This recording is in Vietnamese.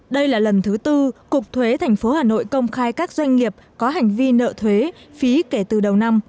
đây là lần thứ tư cục thuế tp hà nội công khai các doanh nghiệp có hành vi nợ thuế phí kể từ đầu năm